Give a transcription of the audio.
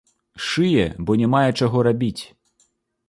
Шые, бо не мае чаго рабіць.